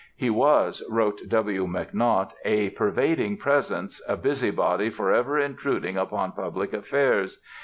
He was, wrote W. McNaught, "a pervading presence, a busybody forever intruding upon public affairs.